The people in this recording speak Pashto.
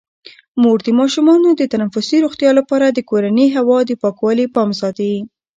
مور د ماشومانو د تنفسي روغتیا لپاره د کورني هوا د پاکوالي پام ساتي.